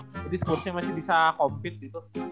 jadi sports nya masih bisa compete gitu